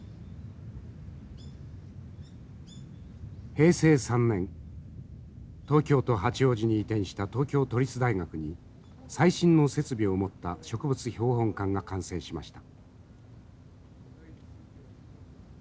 平成３年東京都八王子に移転した東京都立大学に最新の設備を持った植物標本館が完成しました。